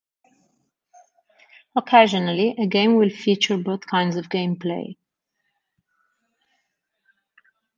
Occasionally, a game will feature both kinds of gameplay.